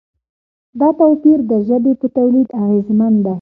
دا توپیر د ژبې په تولید اغېزمن دی.